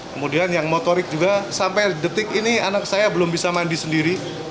kemudian yang motorik juga sampai detik ini anak saya belum bisa mandi sendiri